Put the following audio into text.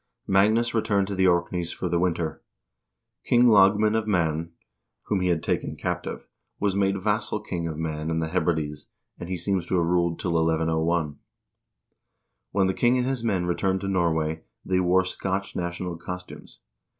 Magnus returned to the Orkneys for the win ter. King Lagman of Man, whom he had taken captive, was made vassal king of Man and the Hebrides, and he seems to have ruled till 1101. When the king and his men returned to Norway, they wore Scotch national costumes.